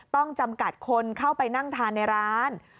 ต้องจำกัดคนเข้าไปนั่งทานในร้าน